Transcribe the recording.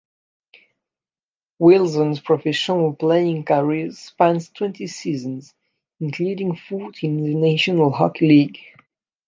Wilson's professional playing career spans twenty seasons, including fourteen in the National Hockey League.